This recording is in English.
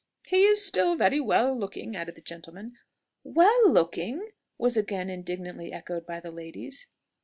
"He is still very well looking," added the gentleman. "Well looking!" was again indignantly echoed by the ladies.